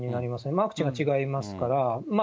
ワクチンは違いますから。